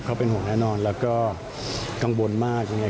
เขาเป็นห่วงแน่นอนแล้วก็กังวลมากยังไง